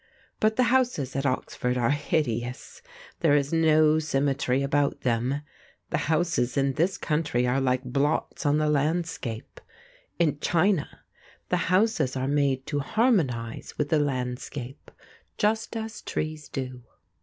But the houses at Oxford are hideous: there is no symmetry about them. The houses in this country are like blots on the landscape. In China the houses are made to harmonise with the landscape just as trees do."